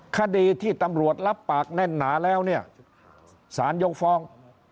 คดีที่ตำรวจรับปากแน่นหนาแล้วเนี่ยสารยกฟ้อง